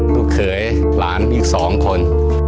ลูกเขยหลานอีกสองคน